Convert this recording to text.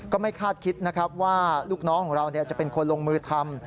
ก็ไม่คาดคิดนะครับว่าลูกน้องของเราจะเป็นคนลงมือทำ